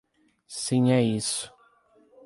Sim é isso.